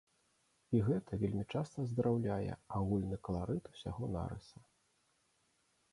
І гэта вельмі часта аздараўляе агульны каларыт усяго нарыса.